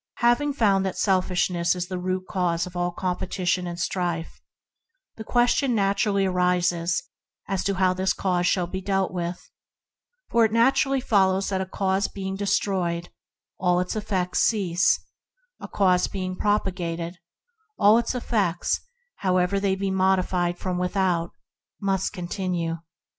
Having found that selfishness is the root cause of all competition and strife the question naturally arises how this cause shall be dealt with, for it naturally follows that a cause being destroyed, all its effects cease; a cause being propagated, all its effects, however they may be modified from without, must continue.